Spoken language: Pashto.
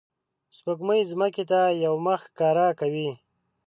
سپوږمۍ ځمکې ته یوه مخ ښکاره کوي